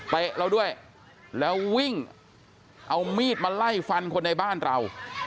เราด้วยแล้ววิ่งเอามีดมาไล่ฟันคนในบ้านเรา